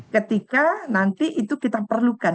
ketika nanti itu kita perlukan